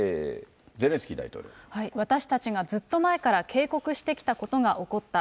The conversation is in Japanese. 私たちがずっと前から警告してきたことが起こった。